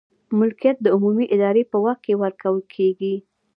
ملکیت د عمومي ادارې په واک کې ورکول کیږي.